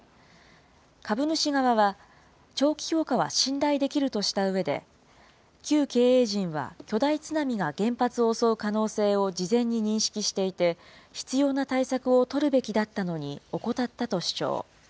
株主側は、長期評価は信頼できるとしたうえで、旧経営陣は巨大津波が原発を襲う可能性を事前に認識していて、必要な対策を取るべきだったのに怠ったと主張。